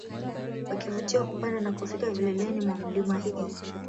Wakivutiwa kupanda na kufika vileleni mwa milima hii